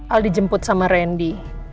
al dijemput sama randy